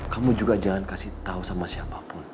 kamu juga jangan kasih tahu sama siapapun